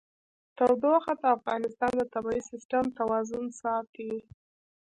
تودوخه د افغانستان د طبعي سیسټم توازن ساتي.